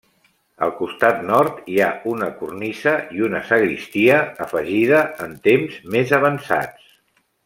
Al costat nord hi ha una cornisa i una sagristia, afegida en temps més avançats.